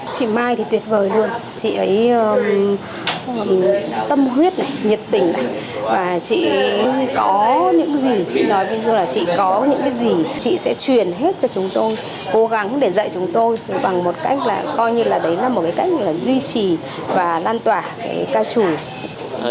chị mai thì tuyệt vời luôn chị ấy tâm huyết nhiệt tình và chị luôn có những gì chị nói ví dụ là chị có những cái gì chị sẽ truyền hết cho chúng tôi cố gắng để dạy chúng tôi bằng một cách là coi như là đấy là một cái cách là duy trì và lan tỏa cái ca trù